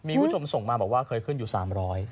มีผู้ชมส่งมาบอกว่าเคยขึ้นอยู่สามร้อย